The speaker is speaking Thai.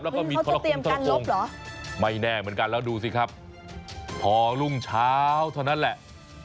แล้วก็มีทรคงทรกงไม่แน่เหมือนกันแล้วดูสิครับพอรุ่งเช้าเท่านั้นแหละ